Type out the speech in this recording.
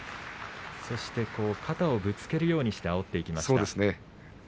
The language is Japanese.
そして肩をぶつけるようにして、あおっていきました。